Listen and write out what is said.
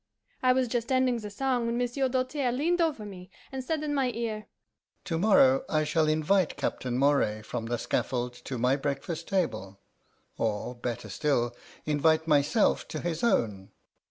I was just ending the song when Monsieur Doltaire leaned over me, and said in my ear, 'To morrow I shall invite Captain Moray from the scaffold to my breakfast table or, better still, invite myself to his own.